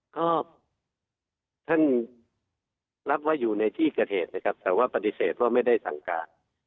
ก็ท่านรับว่าอยู่ในที่เกิดเหตุนะครับแต่ว่าปฏิเสธว่าไม่ได้สั่งการ